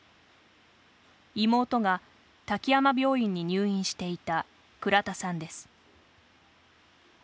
妹が滝山病院に入院していた倉田さんです。